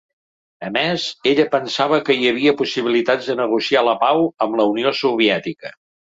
A més, ella pensava que hi havia possibilitats de negociar la pau amb la Unió Soviètica.